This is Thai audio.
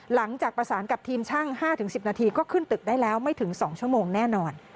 หลังจากประสานกับทีมช่าง๕๑๐นาทีก็ขึ้นตึกได้แล้วไม่ถึง๒ชั่วโมงแน่นอน